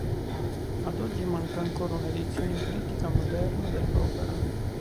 Ad oggi manca ancora un’edizione critica moderna dell’opera.